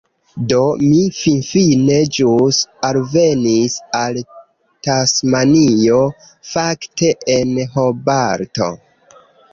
Do, mi finfine ĵus alvenis al Tasmanio fakte, en Hobarto.